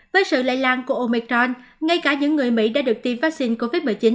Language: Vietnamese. với sự lây lan của omicron ngay cả những người mỹ đã được tiêm vaccine covid một mươi chín